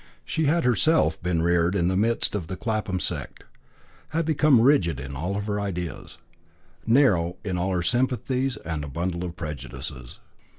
She had herself been reared in the midst of the Clapham sect; had become rigid in all her ideas, narrow in all her sympathies, and a bundle of prejudices.